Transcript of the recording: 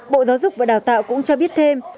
bộ giáo dục và đào tạo cũng cho biết thêm